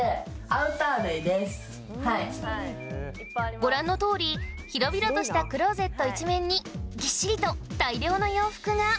ご覧の通り広々としたクローゼット一面にぎっしりと大量の洋服が。